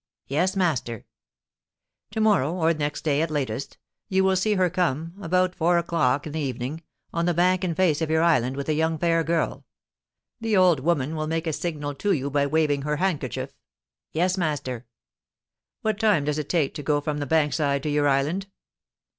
'Yes, master.' 'To morrow, or next day at latest, you will see her come, about four o'clock in the evening, on the bank in face of your island with a young fair girl. The old woman will make a signal to you by waving her handkerchief.' 'Yes, master.' 'What time does it take to go from the bank side to your island?'